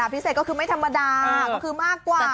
พิเศษก็คือไม่ธรรมดาก็คือมากกว่า